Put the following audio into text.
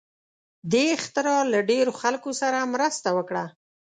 دې اختراع له ډېرو خلکو سره مرسته وکړه.